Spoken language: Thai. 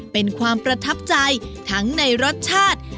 เป็นความประทับใจทั้งในรสชาติ